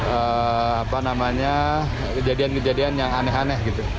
apa namanya kejadian kejadian yang aneh aneh gitu